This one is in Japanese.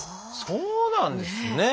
そうなんですね。